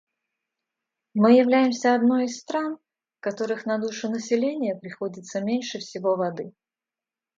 Мы являемся одной из стран, в которых на душу населения приходится меньше всего воды.